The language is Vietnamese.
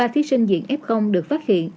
ba thí sinh diện f được phát hiện